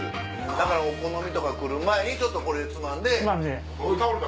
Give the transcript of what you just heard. だからお好みとか来る前にちょっとこれつまんで。